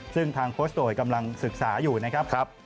ซึ่งทางโค้ชโตยกำลังศึกษาอยู่นะครับ